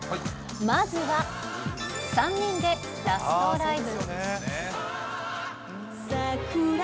まずは３人でラストライブ。